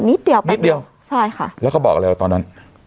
นิดเดียวนิดเดียวใช่ค่ะแล้วก็บอกอะไรเลยตอนนั้น